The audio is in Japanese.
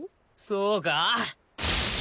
そうか？